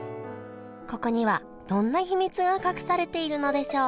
ここにはどんな秘密が隠されているのでしょう？